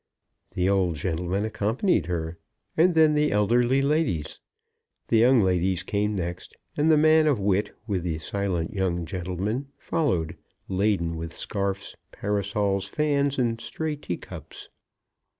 The old gentleman accompanied her, and then the elderly ladies. The young ladies came next, and the man of wit, with the silent young gentlemen, followed, laden with scarfs, parasols, fans, and stray teacups.